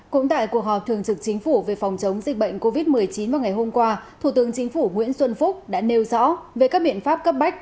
cũng tại cuộc họp thường trực chính phủ về phòng chống dịch bệnh covid một mươi chín vào ngày hôm qua thủ tướng chính phủ nguyễn xuân phúc đã nêu rõ về các biện pháp cấp bách